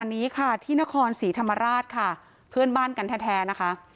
อันนี้ค่ะที่นครศรีธรรมราชค่ะเพื่อนบ้านกันแท้นะคะ